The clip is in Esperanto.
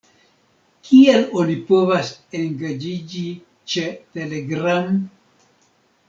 Kiel oni povas engaĝiĝi ĉe Telegram?